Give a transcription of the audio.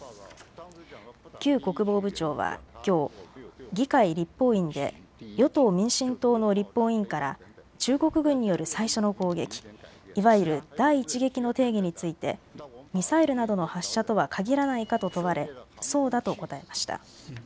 邱国防部長はきょう、議会・立法院で与党・民進党の立法委員から中国軍による最初の攻撃、いわゆる第一撃の定義について、ミサイルなどの発射とは限らないかと問われ、そうだと答えました。